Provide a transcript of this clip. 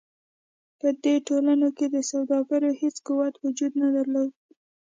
په دې ټولنو کې د سوداګرو هېڅ قوت وجود نه درلود.